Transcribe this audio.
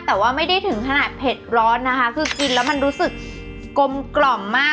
แต่ว่าไม่ได้ถึงขนาดเผ็ดร้อนนะคะคือกินแล้วมันรู้สึกกลมกล่อมมาก